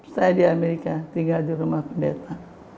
saya di amerika tinggal di rumah pendeta